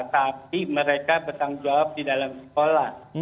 tapi mereka bertanggung jawab di dalam sekolah